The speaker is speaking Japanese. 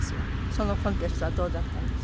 そのコンテストはどうだったんですか？